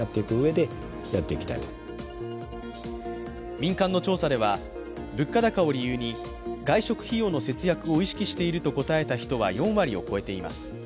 民間の調査では物価高を理由に外食費用の節約を意識していると答えた人は４割を超えています。